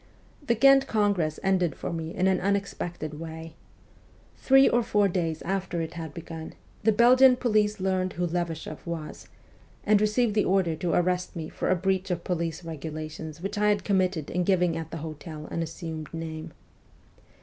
The Ghent congress ended for me in an unexpected way. Three or four days after it had begun, the Belgian police learned who Levashoff was, and received the order to arrest me for a breach of police regula tions which I had committed in giving at the hotel an assumed name.